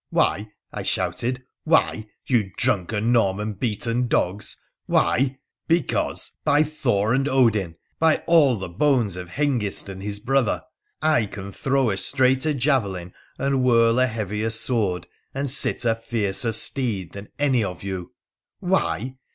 ' Why ?' I shouted. ' Why ? you drunken, Norman beaten dogs ! Why ? Because, by Thor and Odin ! by all the bones of Hengist and his brother ! I can throw a straighter javelin, and whirl a heavier sword, and sit a fiercer steed than any of you. Why